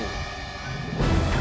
jangan ke siapapun